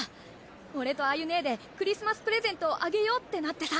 俺とアユ姉でクリスマスプレゼントをあげようってなってさ。